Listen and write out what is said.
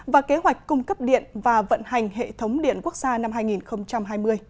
và kế hoạch cung cấp điện và vận hành hệ thống điện quốc gia năm hai nghìn hai mươi